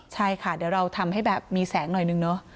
ใช่ค่ะเดี๋ยวเราทำให้แบบมีแสงหน่อยนึงเนอะ